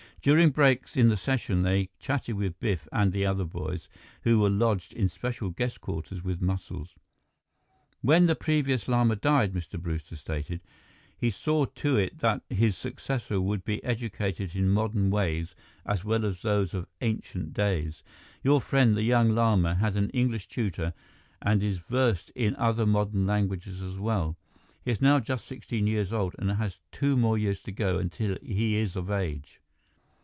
During breaks in the session, they chatted with Biff and the other boys, who were lodged in special guest quarters with Muscles. "When the previous Lama died," Mr. Brewster stated, "he saw to it that his successor would be educated in modern ways as well as those of ancient days. Your friend, the young Lama, had an English tutor and is versed in other modern languages as well. He is now just sixteen years old and has two more years to go until he is of age.